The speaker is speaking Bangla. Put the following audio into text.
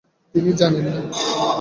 তিনি জানেন না।